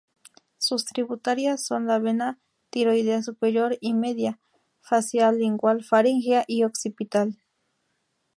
Sus tributarias son la vena tiroidea superior y media, facial, lingual, faríngea y occipital.